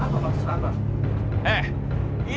apa maksudnya apa